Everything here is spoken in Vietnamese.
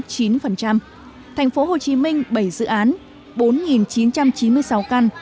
thành phố hồ chí minh bảy dự án bốn chín trăm chín mươi sáu căn